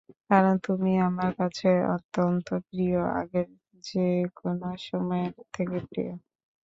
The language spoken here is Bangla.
কারণ তুমি আমার কাছে অত্যন্ত প্রিয়, আগের যে কোনো সময়ের থেকে প্রিয়।